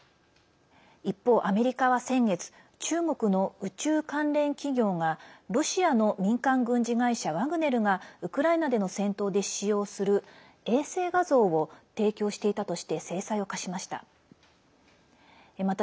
一方、アメリカは先月中国の宇宙関連企業がロシアの民間軍事会社ワグネルがウクライナでの戦闘で使用する衛星画像を提供していたとして制裁を科しました。